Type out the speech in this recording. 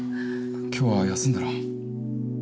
今日は休んだら？